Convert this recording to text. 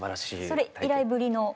それ以来ぶりの？